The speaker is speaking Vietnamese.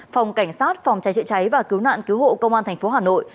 phòng cảnh sát phòng cháy chữa cháy và cứu nạn cứu hộ công an tp hà nội